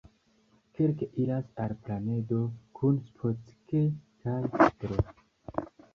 Kirk iras al planedo kun Spock kaj D-ro.